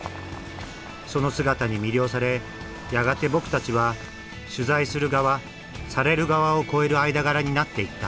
その姿に魅了されやがて僕たちは取材する側される側を超える間柄になっていった。